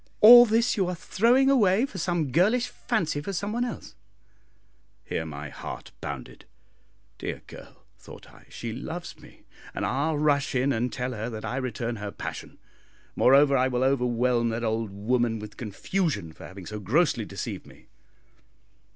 All this you are throwing away for some girlish fancy for some one else." Here my heart bounded. "Dear girl," thought I, "she loves me, and I'll rush in and tell her that I return her passion. Moreover, I will overwhelm that old woman with confusion for having so grossly deceived me."